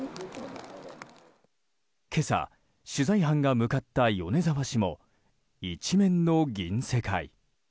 今朝、取材班が向かった米沢市も一面の銀世界。